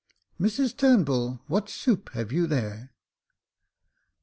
" Mrs Turnbull, what soup have you there